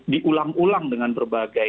diulang ulang dengan berbagai